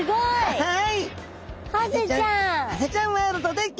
はい。